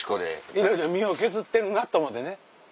いろいろ身を削ってるなと思ってね。